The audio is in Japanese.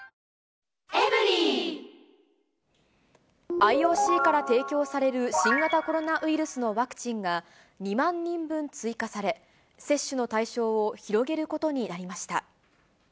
ＩＯＣから提供される新型コロナウイルスのワクチンが、２万人分追加され、接種の対象を広げることになりました。